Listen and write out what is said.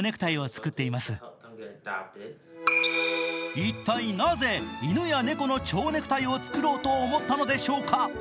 一体なぜ、犬や猫の蝶ネクタイを作ろうと思ったのでしょうか。